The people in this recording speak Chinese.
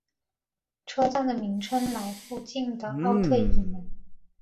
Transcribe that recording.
车站的名称来附近的奥特伊门。